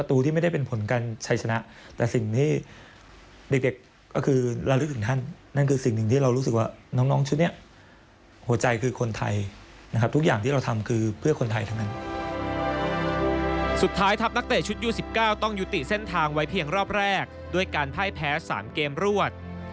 ต้องยุติเส้นทางไว้เพียงรอบแรกด้วยการไพ่แพ้๓เกมรวด